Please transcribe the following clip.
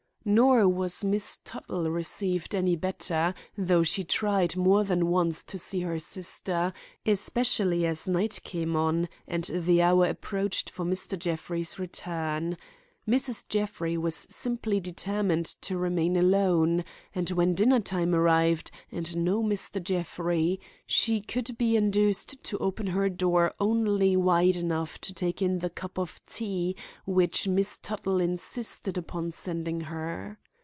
Nor was Miss Tuttle received any better, though she tried more than once to see her sister, especially as night came on and the hour approached for Mr. Jeffrey's return. Mrs. Jeffrey was simply determined to remain alone; and when dinner time arrived, and no Mr. Jeffrey, she could be induced to open her door only wide enough to take in the cup of tea which Miss Tuttle insisted upon sending her.